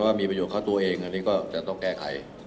ว่ามีประโยชนเข้าตัวเองอันนี้ก็จะต้องแก้ไข